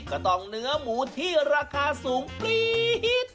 ก็ต้องเนื้อหมูที่ราคาสูงปี๊ด